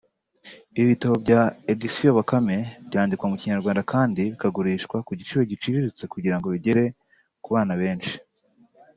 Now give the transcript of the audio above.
Ibitabo bya Editions Bakame byandikwa mu Kinyarwanda kandi bikagurishwa ku giciro giciriritse kugira ngo bigere ku bana benshi